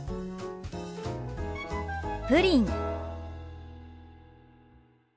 「プリン」。